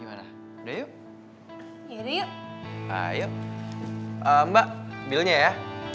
gimana udah yuk ya yuk ayo mbak belinya ya